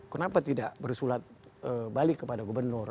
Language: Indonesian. kenapa tidak bersulat balik kepada gubernur